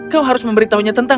kau harus memberitahu fiona